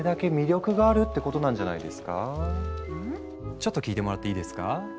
ちょっと聞いてもらっていいですか？